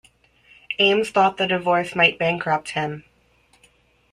Ames thought the divorce might bankrupt him.